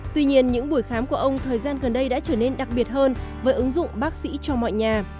tuy nhiên những buổi khám của ông thời gian gần đây đã trở nên đặc biệt hơn với ứng dụng bác sĩ cho mọi nhà